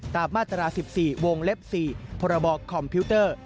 ตามมาตรา๑๔วงเล็บ๔ประบอกคอมพิวเตอร์